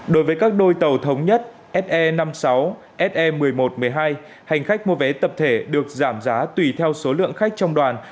đối với các đôi tàu thống nhất se năm mươi sáu se một mươi một một mươi hai hành khách mua vé tập thể được giảm giá tùy theo số lượng khách trong đoàn